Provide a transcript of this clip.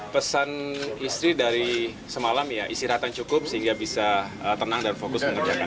pesan istri dari semalam ya istirahat yang cukup sehingga bisa tenang dan fokus mengerjakan